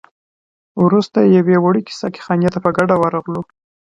وروسته یوې وړوکي ساقي خانې ته په ګډه ورغلو.